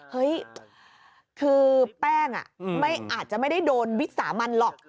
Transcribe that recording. เฮ้ยคือแป้งอาจจะไม่ได้โดนวิสามันหรอก